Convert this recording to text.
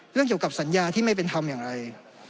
เรื่องเกี่ยวกับสัญญาที่ไม่เป็นธรรมอย่างไร